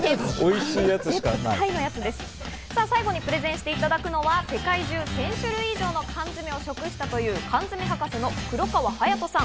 最後にプレゼンしていただくのは世界中１０００種類以上の缶詰を食したという缶詰博士の黒川勇人さん。